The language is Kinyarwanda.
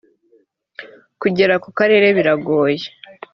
kugera ku karere biragoye